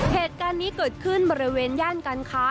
เหตุการณ์นี้เกิดขึ้นบริเวณย่านการค้า